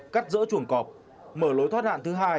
cắt rỡ chuồng cọp mở lối thoát hạn thứ hai